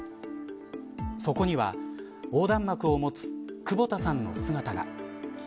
そこには横断幕を持つ久保田さんの姿が。